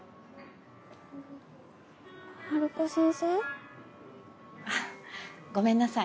治子先生？あっごめんなさい。